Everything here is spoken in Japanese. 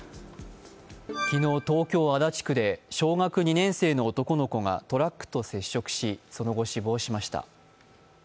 昨日、東京・足立区で小学２年生の男の子がトラックと接触しその後、死亡しました。